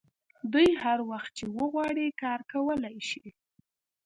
دوی هر وخت چې وغواړي کار کولی شي